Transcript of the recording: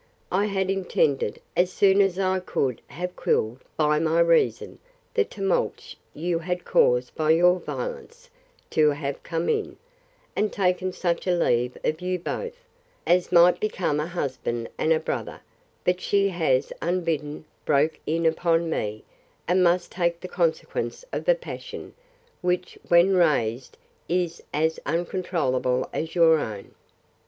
—I had intended, as soon as I could have quelled, by my reason, the tumults you had caused by your violence, to have come in, and taken such a leave of you both, as might become a husband, and a brother: But she has, unbidden, broke in upon me, and must take the consequence of a passion, which, when raised, is as uncontrollable as your own.